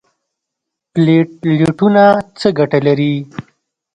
پلیټلیټونه څه ګټه لري؟